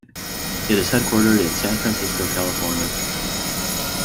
It is headquartered in San Francisco, California.